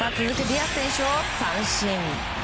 ディアス選手を三振。